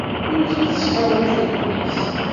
Amek i s-teskaw ifadden-is?